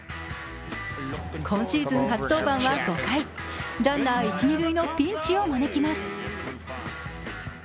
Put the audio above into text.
今シーズン初登板は５回、ランナー一・二塁のピンチを招きます。